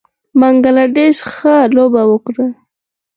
بنګله دېش ښه لوبه وکړه